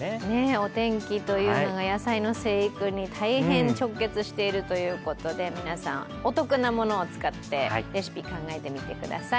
お天気というのが野菜の生育に大変直結しているということで皆さん、お得なものを使ってレシピを考えてください。